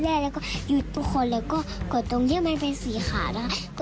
แล้วก็หยุดคนแล้วก็กดตรงนี้มันเป็นสี่ขานะคะ